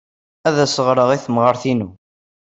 Ad as-ɣreɣ i temɣart-inu.